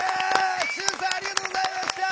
瞬さんありがとうございました！